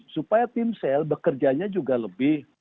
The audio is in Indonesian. supaya tim sel bekerjanya juga lebih